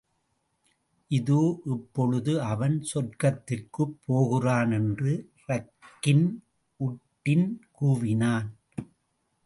இதோ, இப்பொழுது அவன் சொர்க்கத்திற்குப் போகிறான் என்று ரக்கின் உட்டின் கூவினான்.